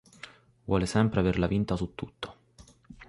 Vuole sempre averla vinta su tutto.